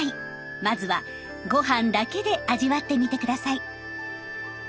まずはご飯だけで味わってみて下さい。